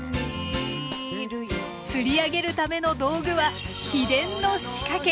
釣り上げるための道具は秘伝の仕掛け。